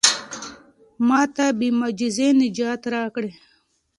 ما ته بې معجزې نجات راکړه.